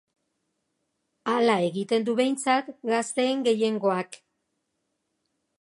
Hala egiten du behintzat gazteen gehiengoak.